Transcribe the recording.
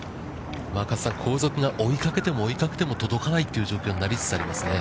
後続が追いかけても追いかけても届かないという状況にありますね。